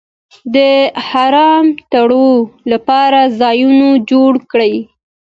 د احرام تړلو لپاره ځایونه جوړ کړي.